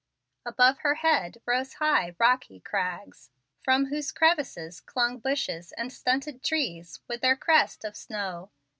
Above her head rose high, rocky crags, from whose crevices clung bushes and stunted trees with their crest of snow.